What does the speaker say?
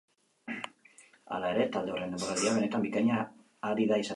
Hala ere, talde horren denboraldia benetan bikaina ari da izaten.